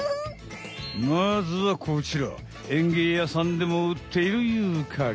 まずはこちらえんげいやさんでもうっているユーカリ。